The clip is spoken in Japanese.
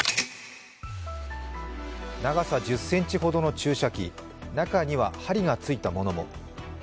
長さ１０ｃｍほどの注射器、中には、針がついたものも。